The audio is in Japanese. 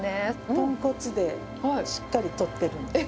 豚骨でしっかり取ってるんですね。